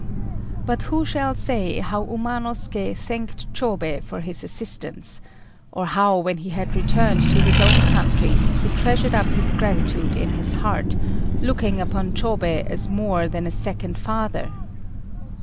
But who shall say how Umanosuké thanked Chôbei for his assistance; or how, when he had returned to his own country, he treasured up his gratitude in his heart, looking upon Chôbei as more than a second father?